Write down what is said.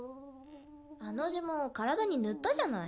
あの呪文を体に塗ったじゃない。